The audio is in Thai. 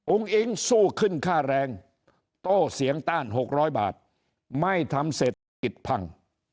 อิงสู้ขึ้นค่าแรงโต้เสียงต้าน๖๐๐บาทไม่ทำเศรษฐกิจพัง